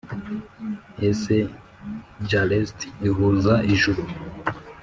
ese jarrest ihuza ijuru?